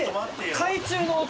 海中中の音。